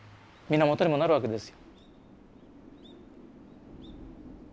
源にもなるわけです。